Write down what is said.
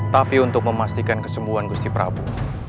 tapi untuk memastikan kesembuhan gusti prabu